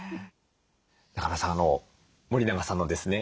中山さん森永さんのですね